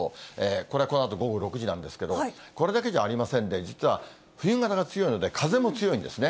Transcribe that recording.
これ、このあと午後６時なんですけれども、これだけじゃありませんで、実は冬型が強いので、風も強いんですね。